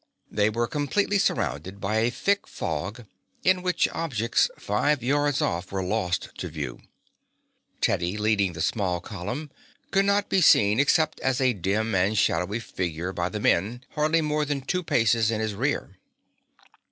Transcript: They were completely surrounded by a thick fog in which objects five yards off were lost to view. Teddy, leading the small column, could not be seen except as a dim and shadowy figure by the men hardly more than two paces in his rear.